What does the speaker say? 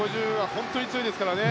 本当に強いですからね。